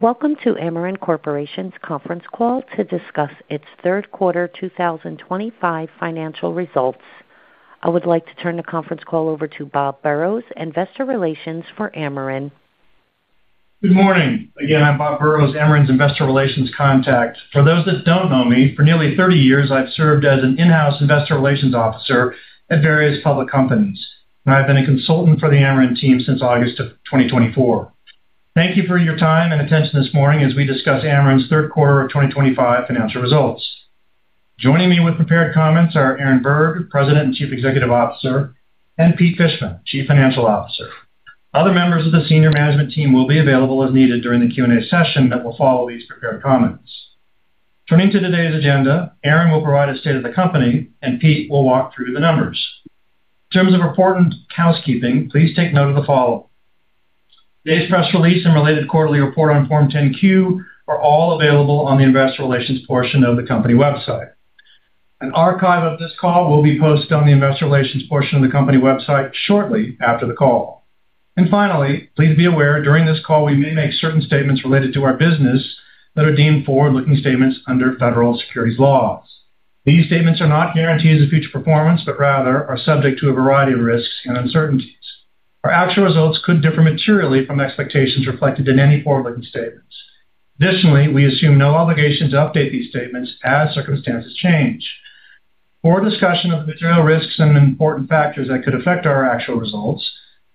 Welcome to Amarin Corporation's conference call to discuss its third quarter 2025 financial results. I would like to turn the conference call over to Bob Burrows, Investor Relations for Amarin. Good morning again. I'm Bob Burrows, Amarin's investor relations contact. For those that don't know me, for nearly 30 years I've served as an in-house Investor Relations Officer at various public companies and I've been a consultant for the Amarin team since August of 2024. Thank you for your time and attention this morning as we discuss Amarin's third quarter of 2025 financial results. Joining me with prepared comments are Aaron Berg, President and Chief Executive Officer, and Pete Fishman, Chief Financial Officer. Other members of the senior management team will be available as needed during the Q&A session that will follow these prepared comments. Turning to today's agenda, Aaron will provide a state of the company and Pete will walk through the numbers. In terms of important housekeeping, please take note of the following. Today's press release and related quarterly report on Form 10-Q are all available on the investor relations portion of the company website. An archive of this call will be posted on the investor relations portion of the company website shortly after the call. Finally, please be aware during this call we may make certain statements related to our business that are deemed forward-looking statements under federal securities laws. These statements are not guarantees of future performance, but rather are subject to a variety of risks and uncertainties. Our actual results could differ materially from expectations reflected in any forward-looking statements. Additionally, we assume no obligation to update these statements as circumstances change. For a discussion of the material risks and important factors that could affect our actual results,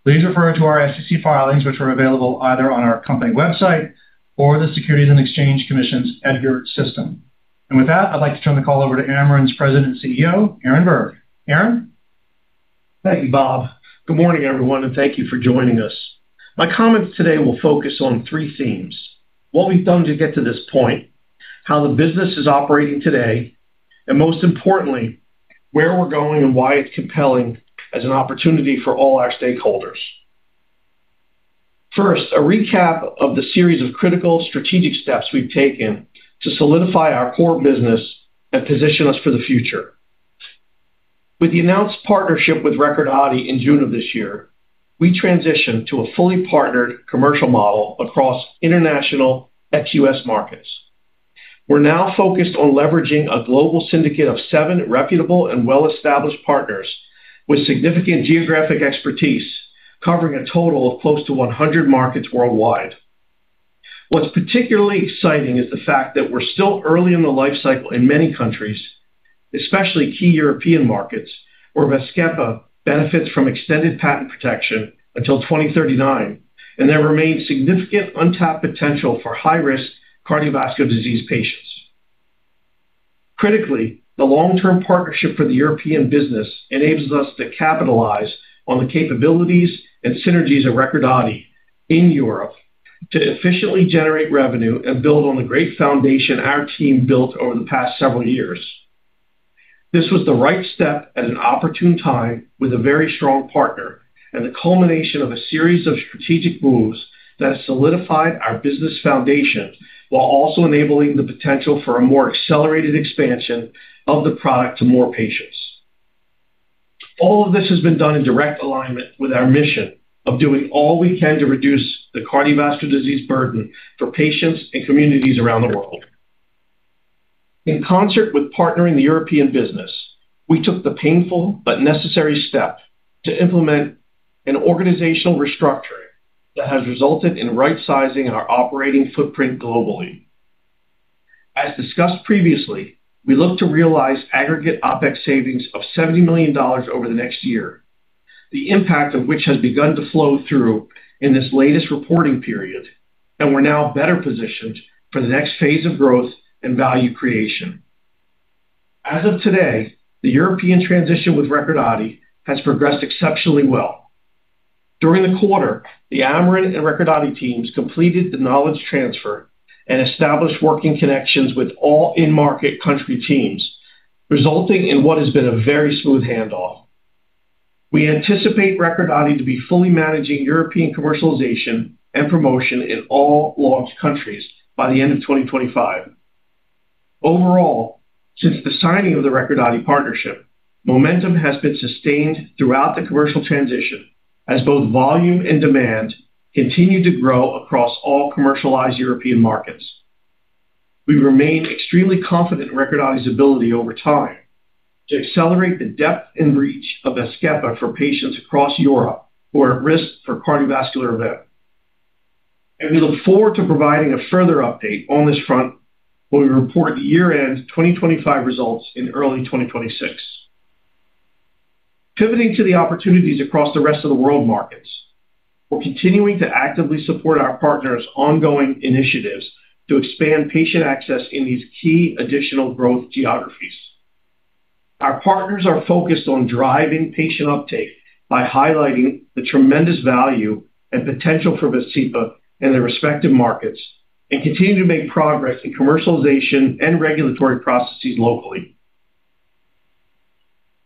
please refer to our SEC filings which are available either on our company website or the Securities and Exchange Commission's EDGAR system. With that, I'd like to turn the call over to Amarin's President and CEO, Aaron Berg. Aaron, thank you Bob. Good morning everyone and thank you for joining us. My comments today will focus on three themes, what we've done to get to this point, how the business is operating today, and most importantly, where we're going and why it's compelling as an opportunity for all our stakeholders. First, a recap of the series of critical strategic steps we've taken to solidify our core business and position us for the future. With the announced partnership with Recordati in June of this year, we transitioned to a fully partnered commercial model across international ex-U.S. markets. We're now focused on leveraging a global syndicate of seven reputable and well-established partners with significant geographic expertise covering a total of close to 100 markets worldwide. What's particularly exciting is the fact that we're still early in the life cycle in many countries, especially key European markets where VAZKEPA benefits from extended patent protection until 2039, and there remains significant untapped potential for high-risk cardiovascular disease patients. Critically, the long-term partnership for the European business enables us to capitalize on the capabilities and synergies of Recordati in Europe to efficiently generate revenue and build on the great foundation our team built over the past several years. This was the right step at an opportune time with a very strong partner and the culmination of a series of strategic moves that solidified our business foundation while also enabling the potential for a more accelerated expansion of the product to more patients. All of this has been done in direct alignment with our mission of doing all we can to reduce the cardiovascular disease burden for patients and communities around the world. In concert with partnering the European business, we took the painful but necessary step to implement an organizational restructuring that has resulted in rightsizing our operating footprint globally. As discussed previously, we look to realize aggregate OpEx savings of $70 million over the next year, the impact of which has begun to flow through in this latest reporting period, and we're now better positioned for the next phase of growth and value creation. As of today, the European transition with Recordati has progressed exceptionally well. During the quarter, the Amarin and Recordati teams completed the knowledge transfer and established working connections with all in-market country teams, resulting in what has been a very smooth handoff. We anticipate Recordati to be fully managing European commercialization and promotion in all launched countries by the end of 2025. Overall, since the signing of the Recordati partnership, momentum has been sustained throughout the commercial transition as both volume and demand continue to grow across all commercialized European markets. We remain extremely confident in Recordati's ability over time to accelerate the depth and reach of VAZKEPA for patients across Europe who are at risk for cardiovascular event and we look forward to providing a further update on this front when we report year end 2025 results in early 2026. Pivoting to the opportunities across the rest of the world markets, we're continuing to actively support our partners' ongoing initiatives to expand patient access in these key additional growth geographies. Our partners are focused on driving patient uptake by highlighting the tremendous value and potential for VASCEPA in their respective markets and continue to make progress in commercialization and regulatory processes locally.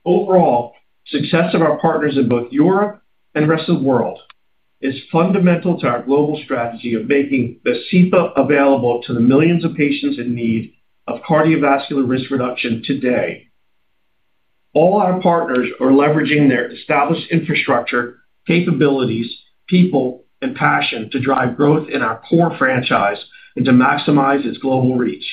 Overall, success of our partners in both Europe and the rest of the world is fundamental to our global strategy of making VASCEPA available to the millions of patients in need of cardiovascular risk reduction. Today, all our partners are leveraging their established infrastructure, capabilities, people, and passion to drive growth in our core franchise and to maximize its global reach.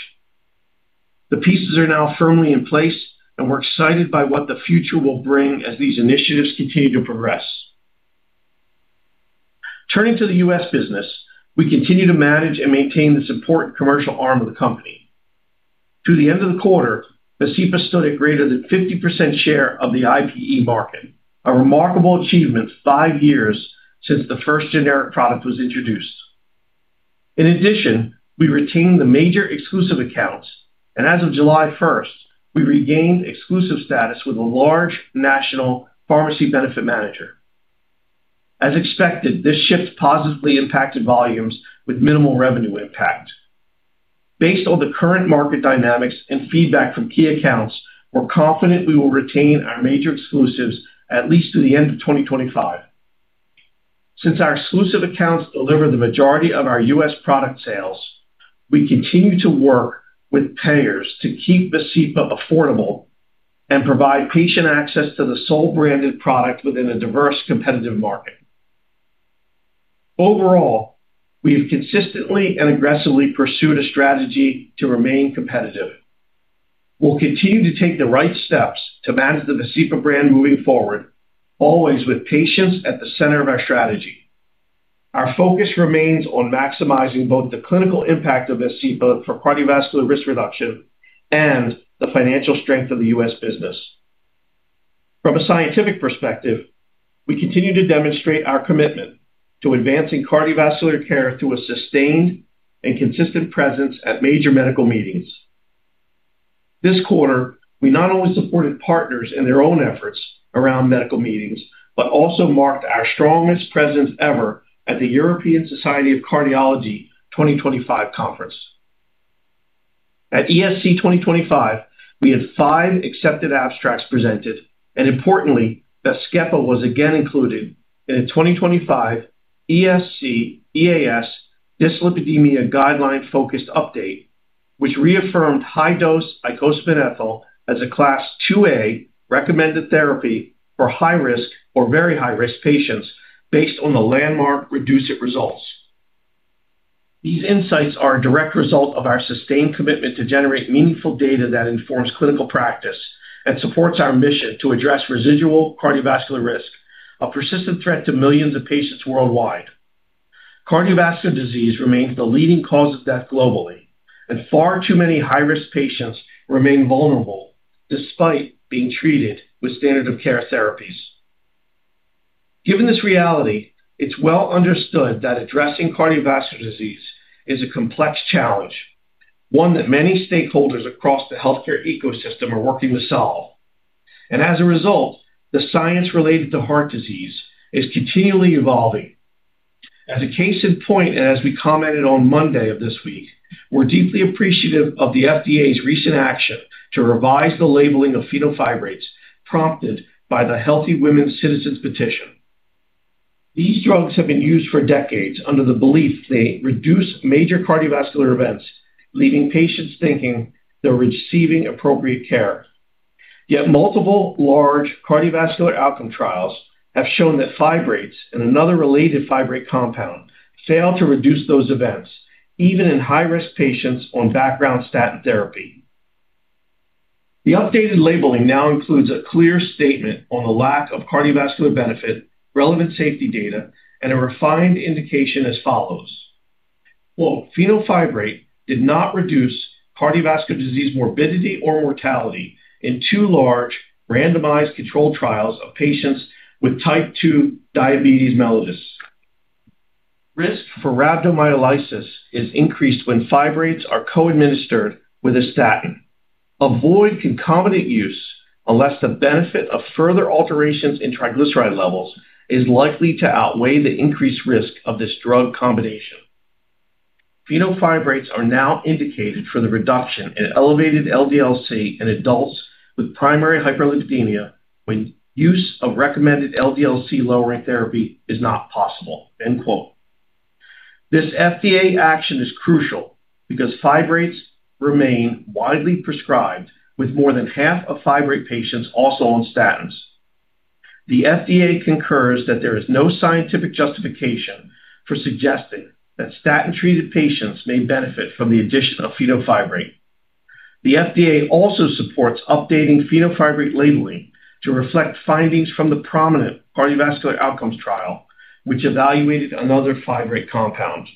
The pieces are now firmly in place and we're excited by what the future will bring as these initiatives continue to progress. Turning to the U.S. business, we continue to manage and maintain this important commercial arm of the company. Through the end of the quarter, VASCEPA stood at greater than 50% share of the IPE market, a remarkable achievement five years since the first generic product was introduced. In addition, we retained the major exclusive accounts and as of July 1st we regained exclusive status with a large national pharmacy benefit manager. As expected, this shift positively impacted volumes with minimal revenue impact. Based on the current market dynamics and feedback from key accounts, we're confident we will retain our major exclusives at least through the end of 2025. Since our exclusive accounts deliver the majority of our U.S. product sales, we continue to work with payers to keep VASCEPA affordable and provide patient access to the sole branded product within a diverse competitive market. Overall, we have consistently and aggressively pursued a strategy to remain competitive. We'll continue to take the right steps to manage the VASCEPA brand moving forward, always with patients at the center of our strategy. Our focus remains on maximizing both the clinical impact of VASCEPA for cardiovascular risk reduction and the financial strength of the U.S. business from a scientific perspective. We continue to demonstrate our commitment to advancing cardiovascular care through a sustained and consistent presence at major medical meetings. This quarter, we not only supported partners in their own efforts around medical meetings, but also marked our strongest presence ever at the European Society of Cardiology 2025 conference. At ESC 2025, we had five accepted abstracts presented and, importantly, VAZKEPA was again included in a 2025 ESC/EAS dyslipidemia guideline focused update, which reaffirmed high dose icosapent ethyl as a Class 2A recommended therapy for high risk or very high risk patients based on the landmark REDUCE-IT results. These insights are a direct result of our sustained commitment to generate meaningful data that informs clinical practice and supports our mission to address residual cardiovascular risk, a persistent threat to millions of patients worldwide. Cardiovascular disease remains the leading cause of death globally, and far too many high risk patients remain vulnerable despite being treated with standard of care therapies. Given this reality, it's well understood that addressing cardiovascular disease is a complex challenge, one that many stakeholders across the healthcare ecosystem are working to solve, and as a result, the science related to heart disease is continually evolving. As a case in point, and as we commented on Monday of this week, we're deeply appreciative of the FDA's recent action to revise the labeling of fenofibrates and prompted by the Healthy Women's Citizens petition. These drugs have been used for decades under the belief they reduce major cardiovascular events, leaving patients thinking they're receiving appropriate care. Yet multiple large cardiovascular outcome trials have shown that fibrates and another related fibrate compound fail to reduce those events, even in high risk patients on background statin therapy. The updated labeling now includes a clear statement on the lack of cardiovascular benefit, relevant safety data, and a refined indication as follows. Fenofibrate did not reduce cardiovascular disease morbidity or mortality in two large randomized controlled trials of patients with type 2 diabetes mellitus. Risk for rhabdomyolysis is increased when fibrates are co-administered with a statin. Avoid concomitant use unless the benefit of further alterations in triglyceride levels is likely to outweigh the increased risk of this drug combination. fenofibrates are now indicated for the reduction in elevated LDL-C in adults with primary hyperlipidemia when use of recommended LDL-C lowering therapy is not possible. End quote. This FDA action is crucial because fibrates remain widely prescribed, with more than half of fibrate patients also on statins. The FDA concurs that there is no scientific justification for suggesting that statin-treated patients may benefit from the addition of fenofibrate. The FDA also supports updating fenofibrate labeling to reflect findings from the Prominent Cardiovascular Outcomes Trial, which evaluated another fibrate compound.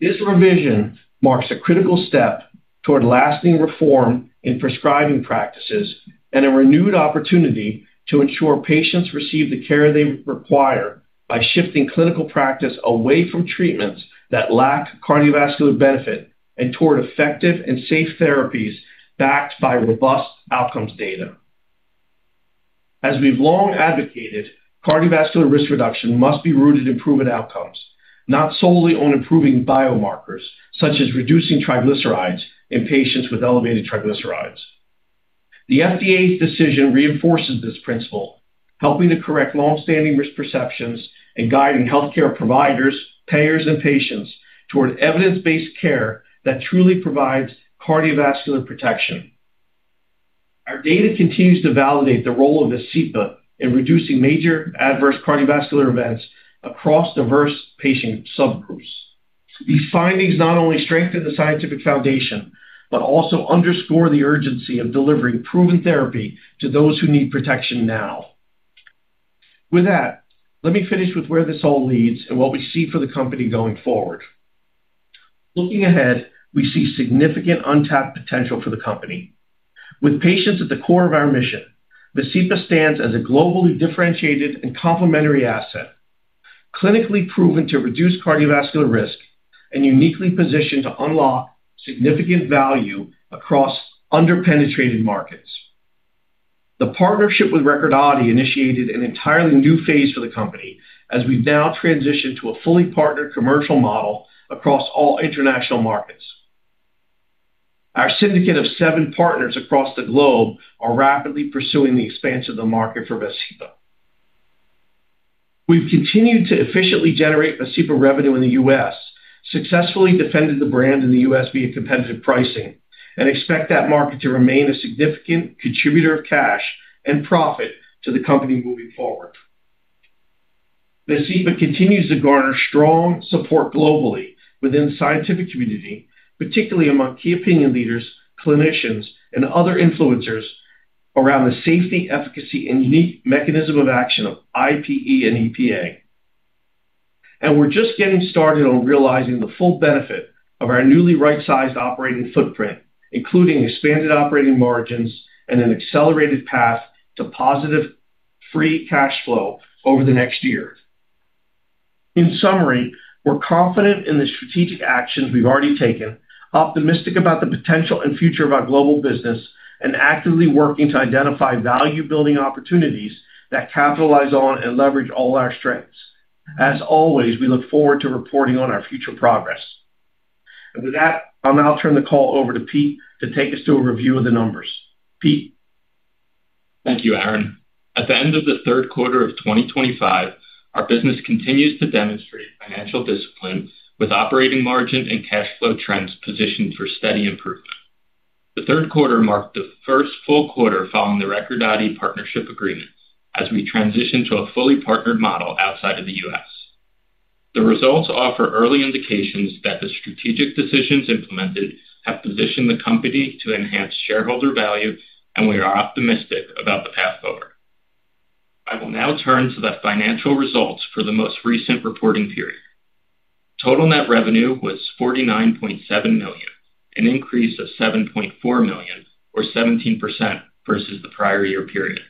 This revision marks a critical step toward lasting reform in prescribing practices and a renewed opportunity to ensure patients receive the care they require by shifting clinical practice away from treatments that lack cardiovascular benefit and toward effective and safe therapies backed by robust outcomes data. As we've long advocated, cardiovascular risk reduction must be rooted in proven outcomes, not solely on improving biomarkers such as reducing triglycerides in patients with elevated triglycerides. The FDA's decision reinforces this principle, helping to correct long-standing risk perceptions and guiding healthcare providers, payers, and patients toward evidence-based care that truly provides clinical cardiovascular protection. Our data continues to validate the role of VASCEPA in reducing major adverse cardiovascular events across diverse patient subgroups. These findings not only strengthen the scientific foundation, but also underscore the urgency of delivering proven therapy to those who need protection. Now, with that, let me finish with where this all leads and what we see for the company going forward. Looking ahead, we see significant untapped potential for the company, with patients at the core of our mission. VASCEPA stands as a globally differentiated and complementary asset, clinically proven to reduce cardiovascular risk and uniquely positioned to unlock significant value across underpenetrated markets. The partnership with Recordati initiated an entirely new phase for the company, as we've now transitioned to a fully partnered commercial model across all international markets. Our syndicate of seven partners across the globe are rapidly pursuing the expansion of the market for VASCEPA. We've continued to efficiently generate VASCEPA revenue in the U.S., successfully defended the brand in the U.S. via competitive pricing, and expect that market to remain a significant contributor of cash and profit to the company moving forward. VASCEPA continues to garner strong support globally within the scientific community, particularly among key opinion leaders, clinicians, and other influencers around the safety, efficacy, and unique mechanism of action of IPE and EPA. We're just getting started on realizing the full benefit of our newly rightsized operating footprint, including expanded operating margins and an accelerated path to positive free cash flow over the next year. In summary, we're confident in the strategic actions we've already taken, optimistic about the potential and future of our global business, and actively working to identify value-building opportunities that capitalize on and leverage all our strengths. As always, we look forward to reporting on our future progress. With that, I'll now turn the call over to Pete to take us through a review of the numbers. Pete? Thank you Aaron. At the end of the third quarter of 2025, our business continues to demonstrate financial discipline, with operating margin and cash flow trends positioned for steady improvement. The third quarter marked the first full quarter following the Recordati partnership agreement as we transition to a fully partnered model outside of the U.S. The results offer early indications that the strategic decisions implemented have positioned the company to enhance shareholder value and we are optimistic about the path forward. I will now turn to the financial results. For the most recent reporting period, total net revenue was $49.7 million, an increase of $7.4 million or 17% versus the prior year period,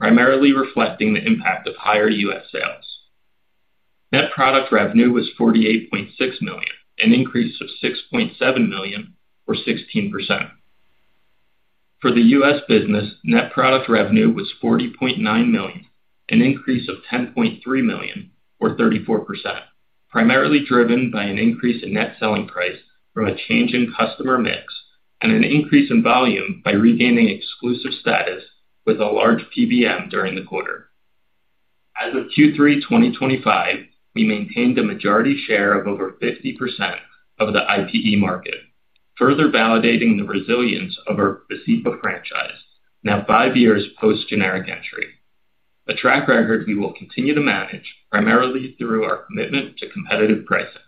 primarily reflecting the impact of higher U.S. sales. Net product revenue was $48.6 million, an increase of $6.7 million or 16%. For the U.S. business, net product revenue was $40.9 million, an increase of $10.3 million or 34%, primarily driven by an increase in net selling price from a change in customer mix and an increase in volume by regaining exclusive status with a large pharmacy benefit manager. During the quarter as of Q3 2025 we maintained a majority share of over 50% of the IPE market, further validating the resilience of our VASCEPA franchise. Now 5 years post generic entry, a track record we will continue to manage primarily through our commitment to competitive pricing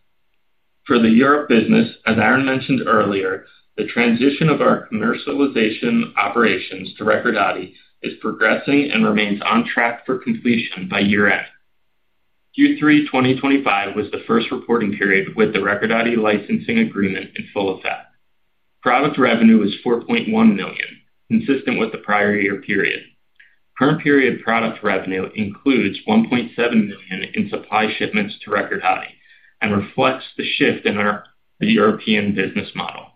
for the Europe business. As Aaron mentioned earlier, the transition of our commercialization operations to Recordati is progressing and remains on track for completion by year end. Q3 2025 was the first reporting period with the Recordati licensing agreement in full effect. Product revenue was $4.1 million, consistent with the prior year period. Current period product revenue includes $1.7 million in supply shipments to Recordati and reflects the shift in our European business model.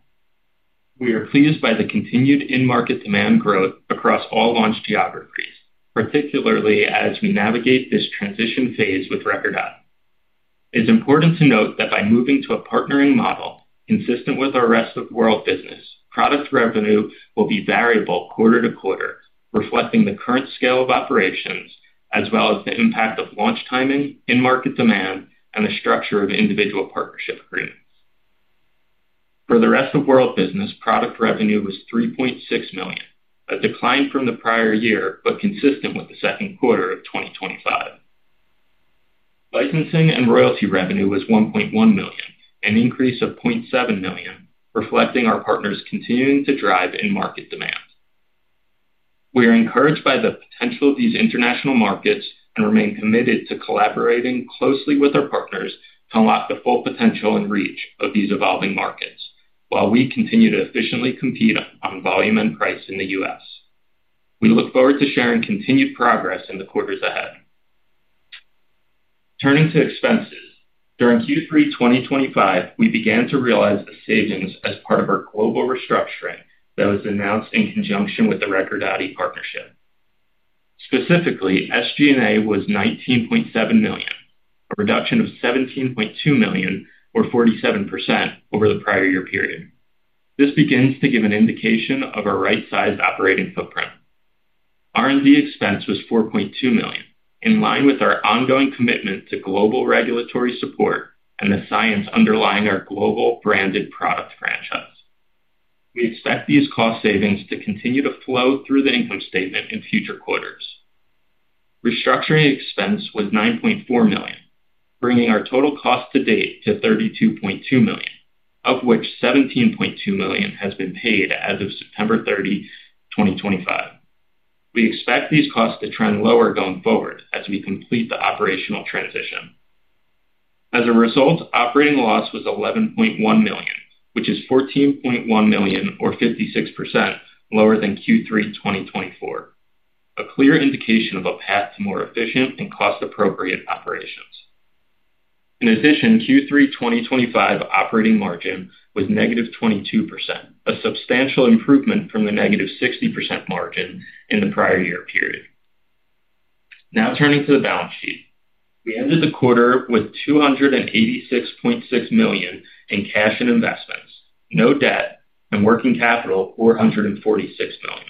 We are pleased by the continued in-market demand growth across all launch geographies, particularly as we navigate this transition phase with Recordati. It is important to note that by moving to a partnering model consistent with our rest of world business, product revenue will quarter-to-quarter, reflecting the current scale of operations as well as the impact of launch timing, in-market demand, and the structure of individual partnership agreements. For the rest of world business, product revenue was $3.6 million, a decline from the prior year. Consistent with the second quarter of 2025, licensing and royalty revenue was $1.1 million, an increase of $0.7 million, reflecting our partners continuing to drive in-market demand. We are encouraged by the potential of these international markets and remain committed to collaborating closely with our partners to unlock the full potential and reach of these evolving markets. While we continue to efficiently compete on volume and price in the U.S., we look forward to sharing continued progress in the quarters ahead. Turning to expenses, during Q3 2025 we began to realize the savings as part of our global restructuring that was announced in conjunction with the Recordati partnership. Specifically, SG&A was $19.7 million, a reduction of $17.2 million or 47% over the prior year period. This begins to give an indication of our rightsized operating footprint. R&D expense was $4.2 million, in line with our ongoing commitment to global regulatory support and the science underlying our global branded product franchise. We expect these cost savings to continue to flow through the income statement in future quarters. Restructuring expense was $9.4 million, bringing our total cost to date to $32.2 million, of which $17.2 million has been paid as of September 30, 2025. We expect these costs to trend lower going forward as we complete the operational transition. As a result, operating loss was $11.1 million, which is $14.1 million or 56% lower than Q3 2024, a clear indication of a path to more efficient and cost-appropriate operations. In addition, Q3 2025 operating margin was -22%, a substantial improvement from the -60% margin in the prior year period. Now turning to the balance sheet, we ended the quarter with $286.6 million in cash and investments, no debt, and working capital of $446 million,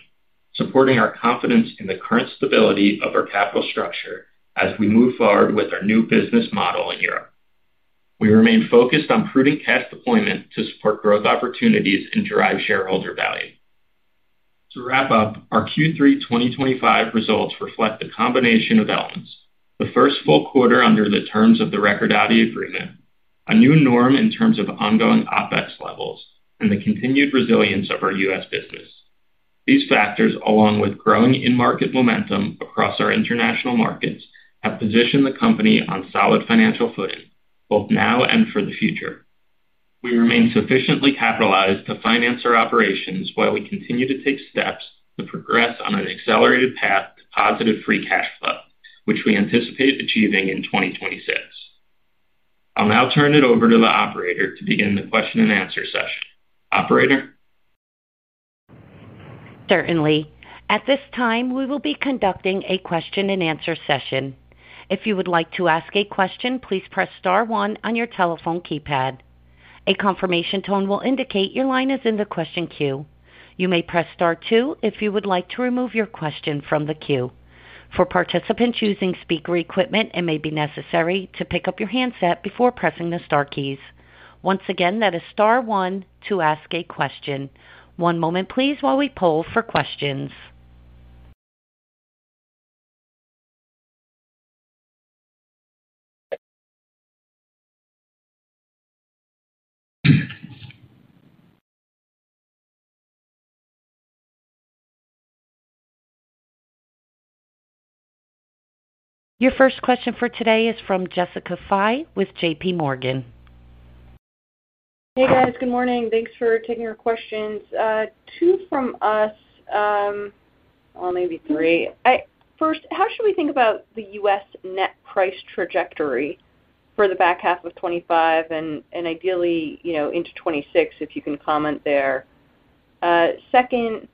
supporting our confidence in the current stability of our capital structure. As we move forward with our new business model in Europe, we remain focused on prudent cash deployment to support growth opportunities and drive shareholder value. To wrap up, our Q3 2025 results reflect the combination of elements: the first full quarter under the terms of the Recordati agreement, a new norm in terms of ongoing OpEx levels, and the continued resilience of our U.S. business. These factors, along with growing in-market momentum across our international markets, have positioned the company on solid financial footing both now and for the future. We remain sufficiently capitalized to finance our operations while we continue to take steps to progress on an accelerated path to positive free cash flow, which we anticipate achieving in 2026. I'll now turn it over to the operator to begin the question and answer session. Operator. Certainly. At this time we will be conducting a question and answer session. If you would like to ask a question, please press star one on your telephone keypad. A confirmation tone will indicate your line is in the question queue. You may press star two if you would like to remove your question from the queue. For participants using speaker equipment, it may be necessary to pick up your handset before pressing the star keys. Once again, that is star one to ask a question. One moment please, while we poll for questions. Your first question for today is from Jessica Fye with JPMorgan. Hey guys, good morning. Thanks for taking your questions. Two from us. First, how should we think about the U.S. net price trajectory for the back half of 2025 and ideally into 2026, if you can comment there. Second,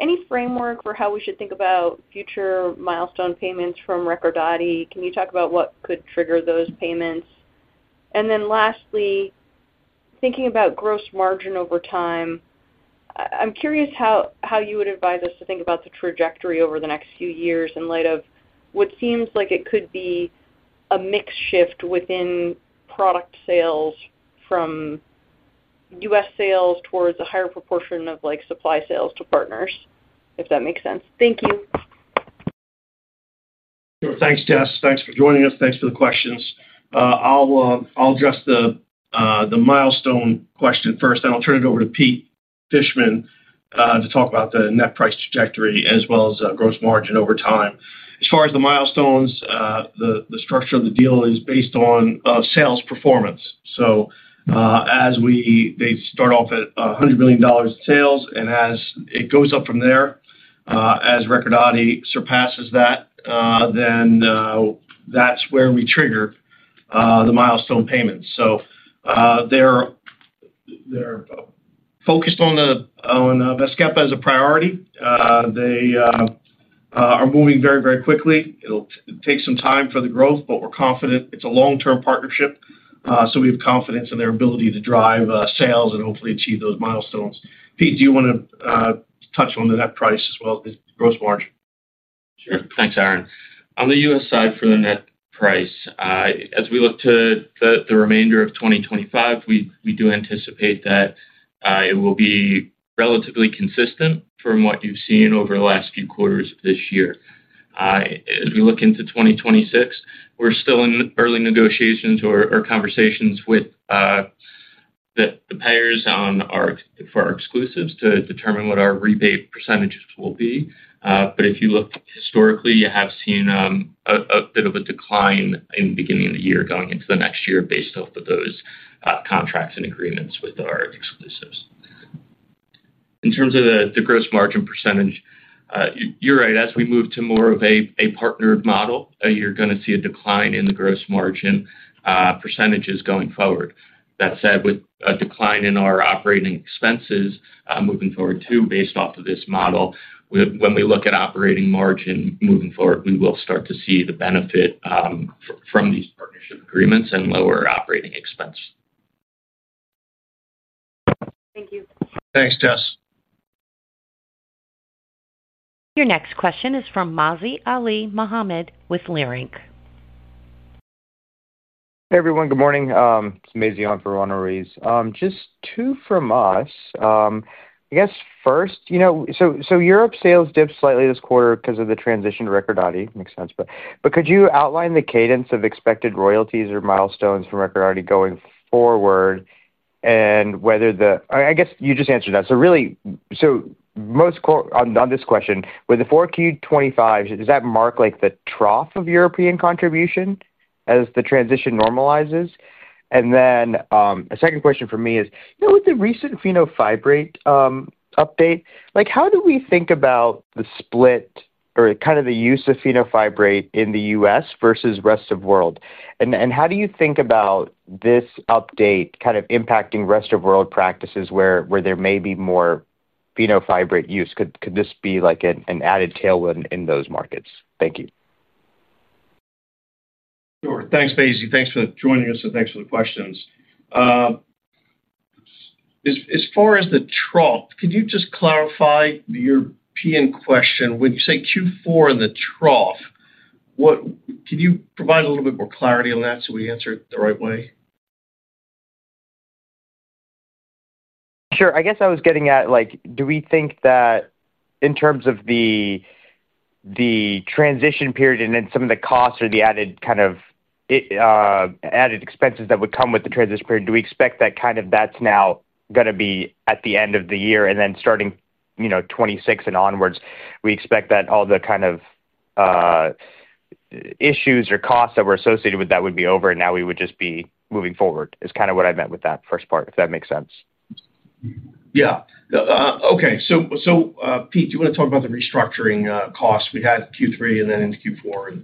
any framework for how we should think about future milestone payments from Recordati? Can you talk about what could trigger those payments? Lastly, thinking about gross margin over time, I'm curious how you would advise us to think about the trajectory over the next few years in light of what seems like it could be a mix shift within product sales from U.S. sales towards a higher proportion of supply sales to partners, if that makes sense. Thank you. Thanks, Jess. Thanks for joining us. Thanks for the questions. I'll address the milestone question first, then I'll turn it over to Pete Fishman to talk about the net price trajectory as well as gross margin over time. As far as the milestones, the structure of the deal is based on sales performance. As they start off at $100 million in sales and as it goes up from there, as Recordati surpasses that, that's where we trigger the milestone payments. So. They're focused on VAZKEPA as a priority. They are moving very, very quickly. It'll take some time for the growth, but we're confident it's a long-term partnership. We have confidence in their ability to drive sales and hopefully achieve those milestones. Pete, do you want to touch on the net price as well, gross margin? Sure. Thanks, Aaron. On the U.S. side for the net price, as we look to the remainder of 2025, we do anticipate that it will be relatively consistent from what you've seen over the last few quarters of this year. As we look into 2026, we're still in early negotiations or conversations with the payers for our exclusives to determine what our rebate percentages will be. If you look historically, you have seen a bit of a decline in the beginning of the year going into the next year based off of those contracts and agreements with our exclusives. In terms of the gross margin percentage, you're right. As we move to more of a partnered model, you're going to see a decline in the gross margin percentages going forward. That said, with a decline in our operating expenses moving forward too, based off of this model, when we look at operating margin moving forward, we will start to see the benefit from these partnership agreements and lower operating expense. Thank you. Thanks Jess. Your next question is from Mazi Alimohamed with Leerink. Hey everyone, good morning, it's Mazi on for Honorees. Just two from us I guess. First, you know, Europe sales dipped slightly this quarter because of the transition to Recordati. Milestone. Could you outline the cadence of expected royalties or milestones from Recordati going forward and whether the, I guess you just answered that. Most on this question with the Q4 2025, does that mark like the trough of European contribution as the transition normalizes? A second question for me is with the recent fenofibrate update, how do we think about the split or kind of the use of fenofibrate in the U.S. vs rest of world and how do you think about this update impacting rest of world practices where there may be more fenofibrate use? Could this be like an added tailwind in those markets? Thank you. Sure. Thanks, Mazi. Thanks for joining us and thanks for the questions. As far as the trough, can you just clarify the European question? When you say Q4 and the trough, can you provide a little bit more clarity on that so we answer it the right way? Sure. I guess I was getting at, do we think that in terms of the transition period and then some of the costs or the added expenses that would come with the transition period, do we expect that is now going to be at the end of the year and then starting 2026 and onwards, we expect that all the issues or costs that were associated with that would be over and now we would just be moving forward. What I meant with that first part. If that makes sense. Yeah. Okay. Pete, do you want to talk about the restructuring costs we had in Q3 and then into Q4?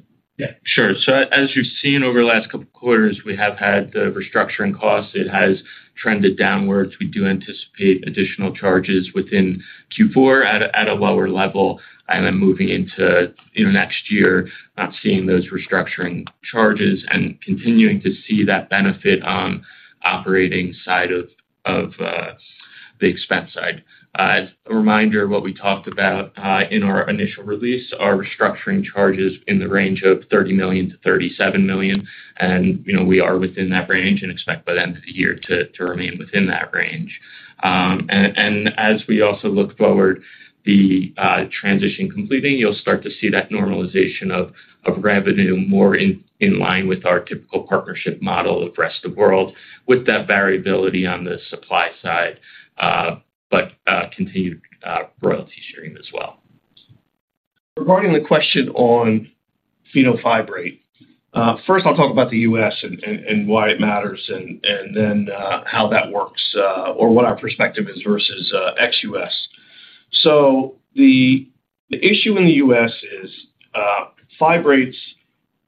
Sure. As you've seen over the last. Couple quarters we have had the restructuring costs, it has trended downwards. We do anticipate additional charges within Q4 at a lower level, and moving into next year not seeing those restructuring charges and continuing to see that benefit on operating side of the expense side. As a reminder, what we talked about in our initial release are restructuring charges in the range of $30 million-$37 million. We are within that range and expect by the end of the year to remain within that range. As we also look forward, the transition completing, you'll start to see that normalization of revenue more in line with our typical partnership model of rest of the world with that variability on the supply side, but continued royalty sharing as well. Regarding the question on fenofibrate, first I'll talk about the U.S. and why it matters and then how that works or what our perspective is versus ex U.S. The issue in the U.S. is fibrates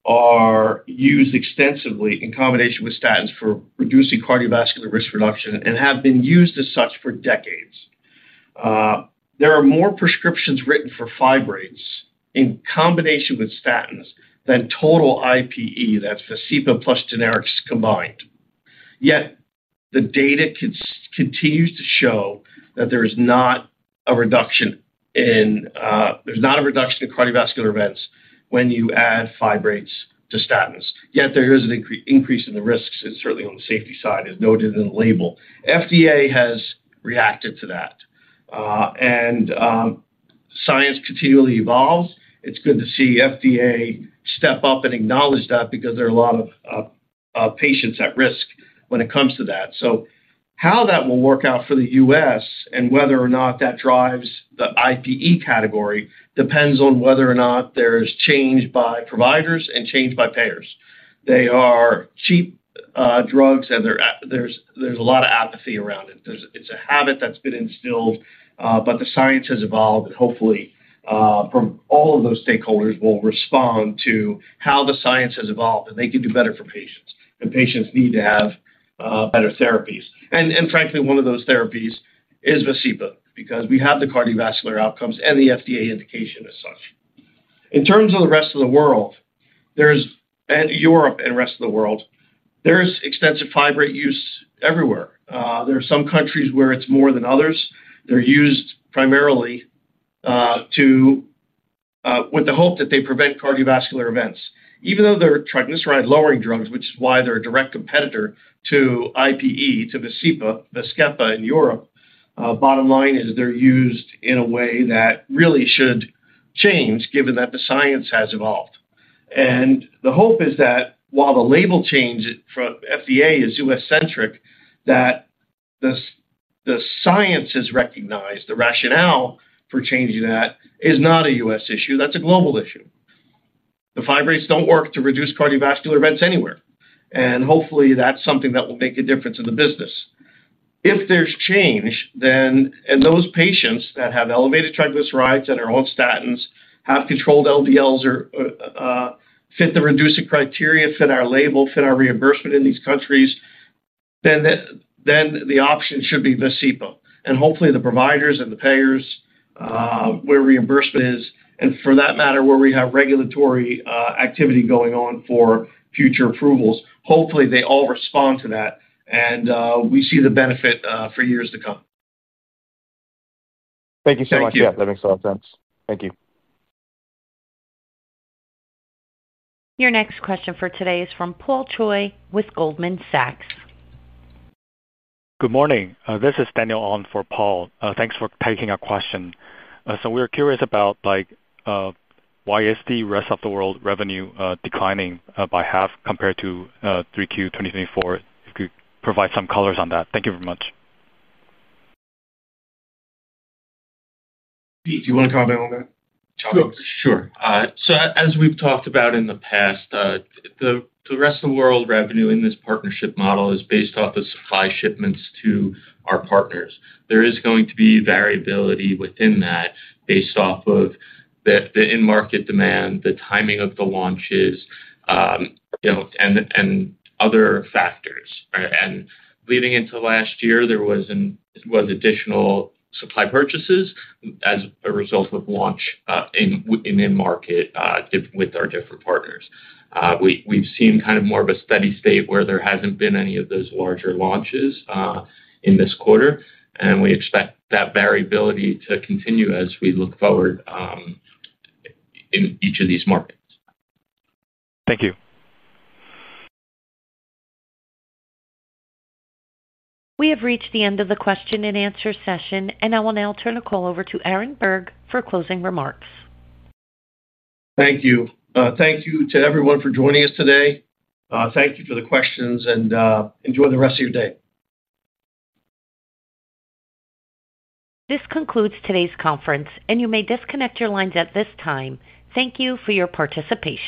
are used extensively in combination with statins for reducing cardiovascular risk reduction and have been used as such for decades. There are more prescriptions written for fibrates in combination with statins than total IPE. That's VASCEPA plus generics combined. Yet the data continues to show that there is not a reduction in cardiovascular events when you add fibrates to statins. Yet there is an increase in the risks, certainly on the safety side, as noted in the label. FDA has reacted to that and science continually evolves. It's good to see FDA step up and acknowledge that because there are a lot of patients at risk when it comes to that. How that will work out for the U.S. and whether or not that drives the IPE category depends on whether or not there's change by providers and change by payers. They are cheap drugs and there's a lot of apathy around it. It's a habit that's been instilled. The science has evolved and hopefully all of those stakeholders will respond to how the science has evolved and they can do better for patients and patients need to have better therapies. Frankly, one of those therapies is VASCEPA, because we have the cardiovascular outcomes and the FDA indication as such. In terms of the rest of the world and Europe and rest of the world, there's extensive fibrate use everywhere. There are some countries where it's more than others. They're used primarily with the hope that they prevent cardiovascular events, even though they're triglyceride lowering drugs, which is why they're a direct competitor to IPE, to VASCEPA, VAZKEPA in Europe. Bottom line is they're used in a way that really should change given that the science has evolved. The hope is that while the label change from FDA is U.S. centric, the science has recognized the rationale for changing. That is not a U.S. issue, that's a global issue. The fibrates don't work to reduce cardiovascular events anywhere. Hopefully that's something that will make a difference in the business. If there's change then, and those patients that have elevated triglycerides that are on statins, have controlled LDLs or fit the REDUCE-IT criteria, fit our label, fit our reimbursement in these countries, then the option should be VASCEPA. Hopefully the providers and the payers where reimbursement is and for that matter, where we have regulatory activity going on for future approvals, hopefully they all respond to that and we see the benefit for years to come. Thank you. Thank you so much. Yeah, that makes a lot of sense. Thank you. Your next question for today is from Paul Choi with Goldman Sachs. Good morning. This is Daniel on for Paul. Thanks for taking a question. We're curious about why is the rest of the world revenue declining by half compared to 3Q 2024? If you could provide some color on that. Thank you very much. Pete, do you want to comment on that? Sure. As we've talked about in the. Past the rest of the world. Revenue in this partnership model is based off of supply shipments to our partners. There is going to be variability within that based off of the in market demand, the timing of the launches, and other factors. Leading into last year, there was additional supply purchases as a result of launch in market with our different partners. We've seen more of a steady state where there hasn't been any of those larger launches in this quarter. We expect that variability to continue as we look forward in each of these markets. Thank you. We have reached the end of the question and answer session, and I will now turn the call over to Aaron Berg for closing remarks. Thank you. Thank you to everyone for joining us today. Thank you for the questions and enjoy the rest of your day. This concludes today's conference, and you may disconnect your lines at this time. Thank you for your participation.